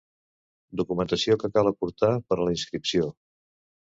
Documentació que cal aportar per a la inscripció.